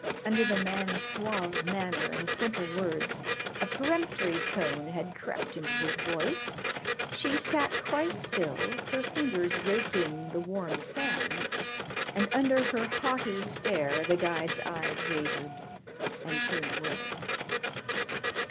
Under the man's suave manner and simple words a peremptory tone had crept into his voice. She sat quite still, her fingers raking the warm sand, and under her haughty stare the guide's eyes wavered and turned away.